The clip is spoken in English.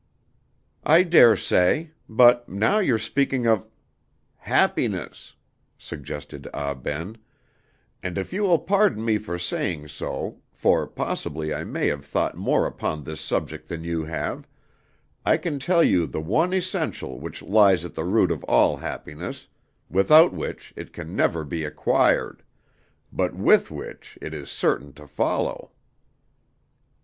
"I dare say; but now you're speaking of " "Happiness," suggested Ah Ben, "and if you will pardon me for saying so for possibly I may have thought more upon this subject than you have I can tell you the one essential which lies at the root of all happiness, without which it can never be acquired, but with which it is certain to follow."